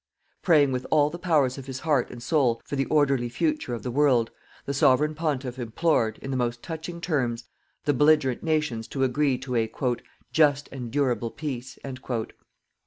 Praying with all the powers of His heart and soul for the orderly future of the world, the Sovereign Pontiff implored, in the most touching terms, the belligerent nations to agree to a "JUST AND DURABLE PEACE."